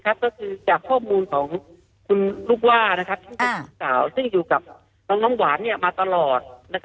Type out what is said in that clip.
ก็คือจากข้อมูลของคุณลูกว่าซึ่งเป็นลูกสาวซึ่งอยู่กับน้องหวานมาตลอด